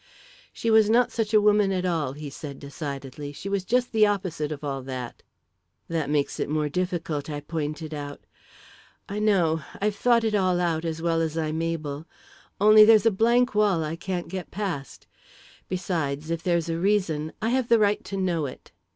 "She was not such a woman at all," he said decidedly. "She was just the opposite of all that." "That makes it more difficult," I pointed out. "I know; I've thought it all out, as well as I'm able only there's a blank wall I can't get past. Besides, if there's a reason, I have the right to know it."